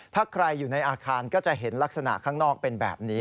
ถ้าใครอยู่ในอาคารก็จะเห็นลักษณะข้างนอกเป็นแบบนี้